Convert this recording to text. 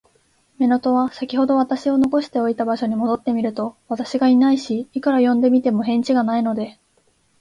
乳母は、さきほど私を残しておいた場所に戻ってみると、私がいないし、いくら呼んでみても、返事がないので、